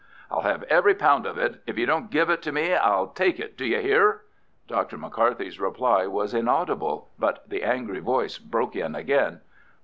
"I'll have every pound of it. If you won't give it me I'll take it. Do you hear?" Dr. McCarthy's reply was inaudible, but the angry voice broke in again.